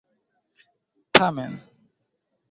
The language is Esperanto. Tamen.